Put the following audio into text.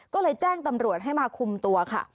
ก็เลยแจ้งตำรวจให้มาคุมตัวค่ะ